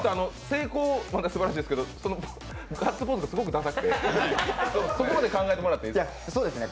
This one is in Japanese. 成功はすばらしいですけど、そのガッツポーズがすごくダサくて、そこまで考えてもらっていいですか。